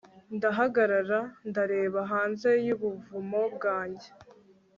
ndahagarara ndareba hanze yubuvumo bwanjye